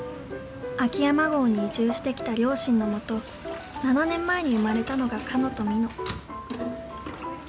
秋山郷に移住してきた両親のもと７年前に生まれたのがかのとみの。